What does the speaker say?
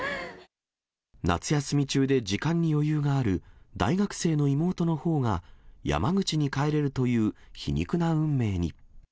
夏休み中で時間に余裕がある大学生の妹のほうが、山口に帰れるという皮肉な運命に。